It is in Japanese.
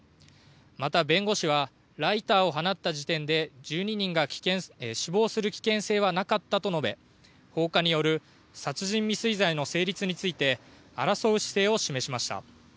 また弁護士はライターを放った時点で１２人が死亡する危険はなかったと述べ放火による殺人未遂罪の成立について争う姿勢を示しました。